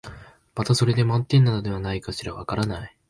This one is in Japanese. またそれで満点なのではないかしら、わからない、